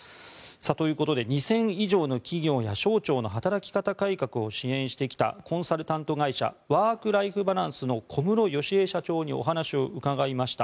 ということで、２０００以上の企業や省庁の働き方改革を支援してきたコンサルタント会社ワーク・ライフバランスの小室淑恵社長にお話を伺いました。